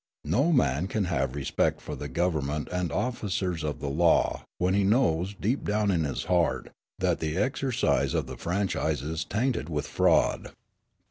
No man can have respect for the government and officers of the law when he knows, deep down in his heart, that the exercise of the franchise is tainted with fraud.